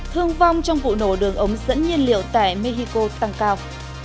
thương vong trong vụ nổ đường ống dẫn nhiên liệu tại mexico tăng cao